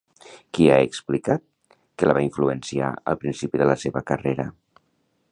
I qui ha explicat que la va influenciar al principi de la seva carrera?